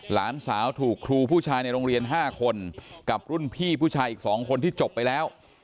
หลานสาวถูกครูผู้ชายในโรงเรียน๕คนกับรุ่นพี่ผู้ชายอีก๒คนที่จบไปแล้ว